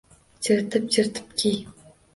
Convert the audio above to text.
Chiritib-chiritib kiy!